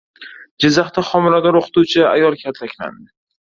Jizzaxda homilador o‘qituvchi ayol kaltaklandi